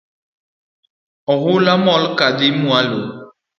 Oula mol kadhi mwalo